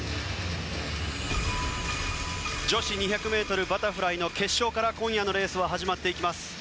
女子２００ｍバタフライの決勝から今夜のレースは始まっていきます。